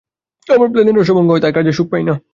আমার প্ল্যানের রসভঙ্গ হয়, তাই কাজে সুখ পাই না।